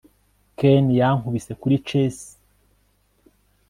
ken yankubise kuri chess